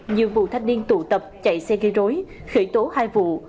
nhiều vụ thanh niên tụ tập chạy xe gây rối khởi tố hai vụ